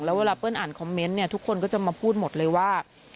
แล้วเวลาเปิ้ลอ่านคอมเมนต์เนี่ยทุกคนก็จะมาพูดหมดเลยว่า